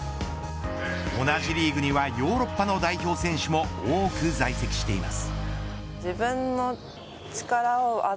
同じリーグにはヨーロッパの代表選手も多く在籍しています。